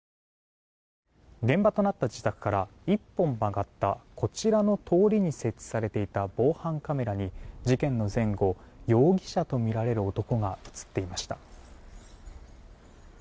現場となった自宅から１本曲がったこちらの通りに設置されていた防犯カメラに事件の前後に容疑者とみられる男が映っていました。